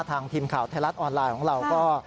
ทีมข่าวไทยรัฐออนไลน์ของเราก็